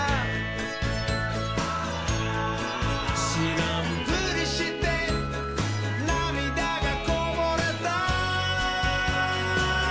「しらんぷりしてなみだがこぼれた」